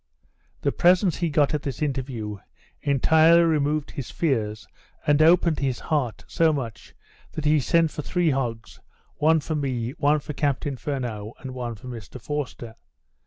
The presents he got at this interview entirely removed his fears, and opened his heart so much, that he sent for three hogs; one for me, one for Captain Furneaux, and one for Mr Forster.